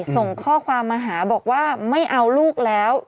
ส่งข้อความมาหาบอกว่าไม่เอาลูกแล้ว